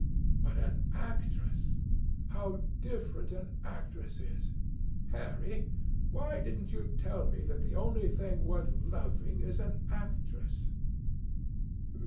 But an actress! How different an actress is! Harry! why didn't you tell me that the only thing worth loving is an actress?"